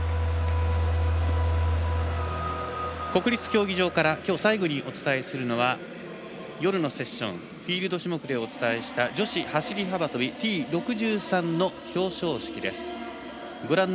国立競技場からきょう最後にお伝えするのは夜のセッションフィールド種目でお伝えした女子走り幅跳びＴ６３の表彰式です。